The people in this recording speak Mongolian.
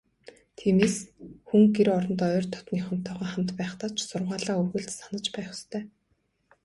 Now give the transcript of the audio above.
Тиймээс, хүн гэр орондоо ойр дотнынхонтойгоо хамт байхдаа ч сургаалаа үргэлж санаж байх ёстой.